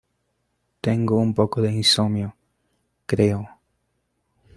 Tengo un poco de insomnio, creo.